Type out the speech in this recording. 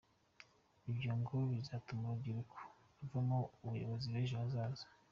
Ibyo ngo bizatuma urubyiruko ruvamo abayobozi beza b’ejo hazaza.